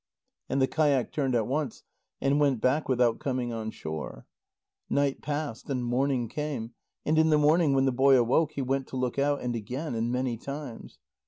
And the kayak turned at once and went back without coming on shore. Night passed and morning came. And in the morning when the boy awoke, he went to look out, and again, and many times.